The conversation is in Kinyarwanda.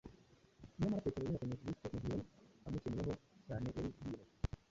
Nyamara Petero wihakanye Kristo mu gihe yari amukeneyemo cyane yari yiyemeje